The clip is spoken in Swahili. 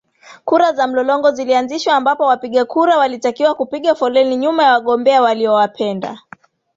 kura za mlolongo zilianzishwa ambapo wapigakura walitakiwa kupiga foleni nyuma ya wagombea wanaowapenda